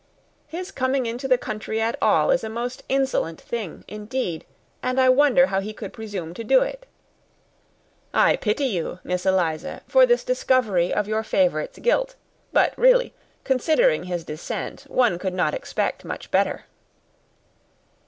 His coming into the country at all is a most insolent thing, indeed, and I wonder how he could presume to do it. I pity you, Miss Eliza, for this discovery of your favourite's guilt; but really, considering his descent, one could not expect much better."